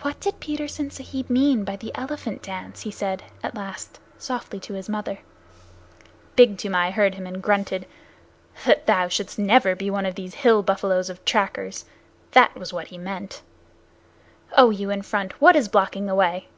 "What did Petersen Sahib mean by the elephant dance?" he said, at last, softly to his mother. Big Toomai heard him and grunted. "That thou shouldst never be one of these hill buffaloes of trackers. That was what he meant. Oh, you in front, what is blocking the way?"